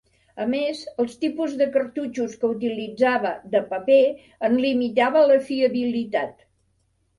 A més, els tipus de cartutxos que utilitzava, de paper, en limitava la fiabilitat.